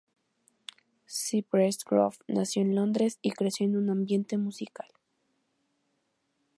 Cypress Grove nació en Londres y creció en un ambiente musical.